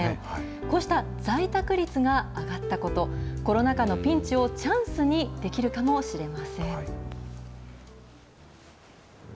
こうした在宅率が上がったこと、コロナ禍のピンチをチャンスにできるかもしれません。